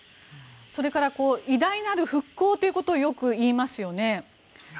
それから偉大なる復興ということをよく言いますよね。